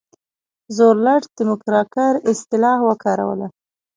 روزولټ د موکراکر اصطلاح وکاروله.